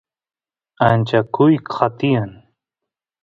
acha kuyqa tiyan